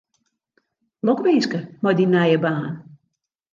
Lokwinske mei dyn nije baan.